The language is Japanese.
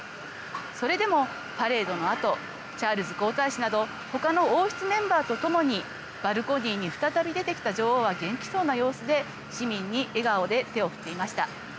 それでもパレードのあとチャールズ皇太子などほかの王室メンバーとともにバルコニーに再び出てきた女王は元気そうな様子で、市民に笑顔で手を振っていました。